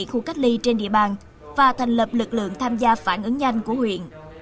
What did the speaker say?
khu cách ly trên địa bàn và thành lập lực lượng tham gia phản ứng nhanh của huyện